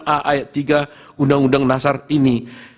a ayat tiga undang undang dasar ini